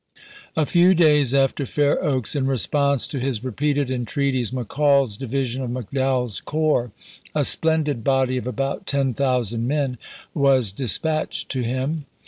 A few days after Fair Oaks, in response to his repeated entreaties, McCall's di vision of McDowell's corps, a splendid body of about ten thousand men, was dispatched to him.